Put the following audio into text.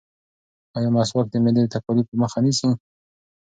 ایا مسواک د معدې د تکالیفو مخه نیسي؟